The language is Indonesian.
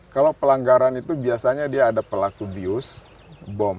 kalau pelanggaran itu biasanya dia ada pelaku bius bom